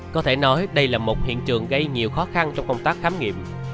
có thể nói đây là một hiện trường gây nhiều khó khăn trong công tác khám nghiệm